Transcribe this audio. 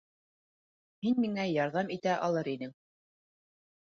Һин миңә ярҙам итә алыр инең.